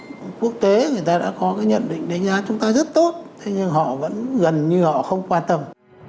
quốc tế người ta đã có cái nhận định đánh giá chúng ta rất tốt thế nhưng họ vẫn gần như họ không quan tâm